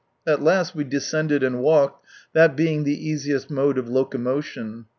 At last we descended and walked, that being the easiest mode of locomotion.